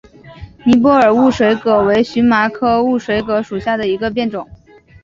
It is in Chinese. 尼泊尔雾水葛为荨麻科雾水葛属下的一个变种。